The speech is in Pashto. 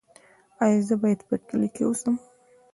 ایا زه باید په کلي کې اوسم؟